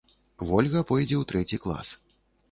Вольга пойдзе ў трэці клас.